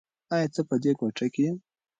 ایا ته په دې کوټه کې یې؟